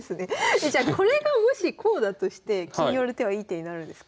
えじゃあこれがもしこうだとして金寄る手はいい手になるんですか？